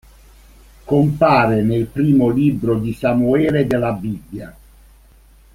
Compare nel primo libro di Samuele della "Bibbia".